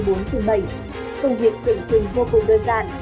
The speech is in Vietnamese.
công việc tượng trình vô cùng đơn giản